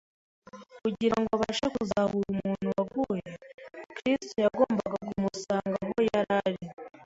Kugira ngo abashe kuzahura umuntu waguye, Kristo yagombaga kumusanga aho yari ari.